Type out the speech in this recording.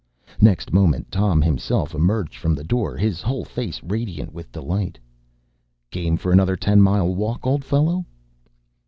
Next moment Tom himself emerged from the door, his whole face radiant with delight. “Game for another ten mile walk, old fellow?